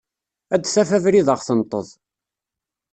Ad d-taf abrid ad ɣ-tenṭeḍ.